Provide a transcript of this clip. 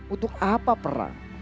untuk apa perang